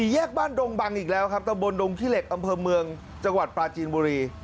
แยกบ้านดงบังอีกแล้วครับตะบนดงขี้เหล็กอำเภอเมืองจังหวัดปลาจีนบุรี